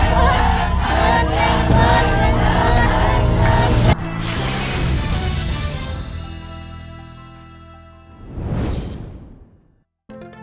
โปรดติดตามตอนต่อไป